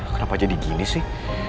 kenapa jadi gini sih